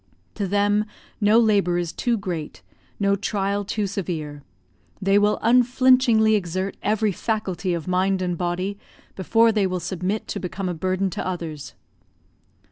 To them, no labour is too great, no trial too severe; they will unflinchingly exert every faculty of mind and body, before they will submit to become a burden to others.